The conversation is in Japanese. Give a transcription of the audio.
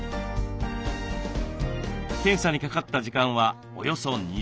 検査にかかった時間はおよそ２時間。